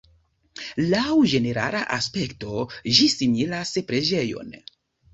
Laŭ ĝenerala aspekto ĝi similas preĝejon.